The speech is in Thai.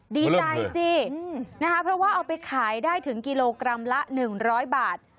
ดีใจสินะคะเพราะว่าเอาไปขายได้ถึงกิโลกรัมละ๑๐๐บาท